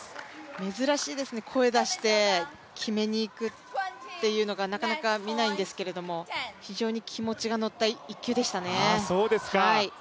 珍しいですね、声を出して決めにいくっていうのがなかなか見ないんですけれども非常に気持ちが乗った１球でしたね